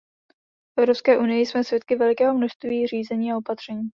V Evropské unii jsme svědky velikého množství řízení a opatření.